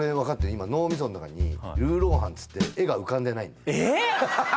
今脳みその中にルーロー飯っつって絵が浮かんでないんだよえっ！？